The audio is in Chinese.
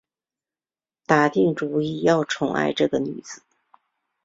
打定主意要宠爱着这个孩子